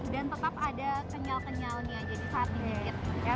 dan tetap ada kenyal kenyalnya jadi saat di nyetir